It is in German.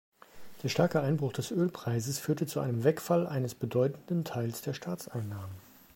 Der starke Einbruch des Ölpreises führte zu einem Wegfall eines bedeutenden Teils der Staatseinnahmen.